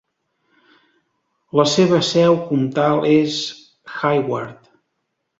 La seva seu comtal és Hayward.